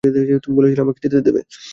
তুমি বলেছিলে আমাকে যেতে দেবে।